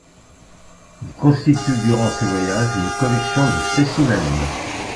Il constitue durant ses voyages une collection de spécimens.